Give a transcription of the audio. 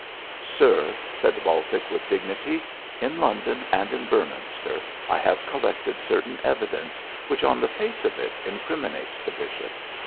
'Sir,' said Baltic, with dignity, 'in London and in Beorminster I have collected certain evidence which, on the face of it, incriminates the bishop.